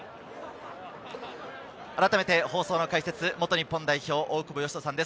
あらためて放送の解説は、元日本代表・大久保嘉人さんです。